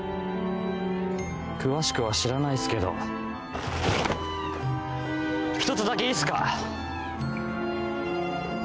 詳しくは知らないっすけど一つだけいいっすか。